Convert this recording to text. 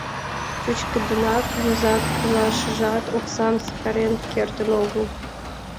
Чӱчкыдынак йозак тӱлашыжат оксам ситарен кертын огыл.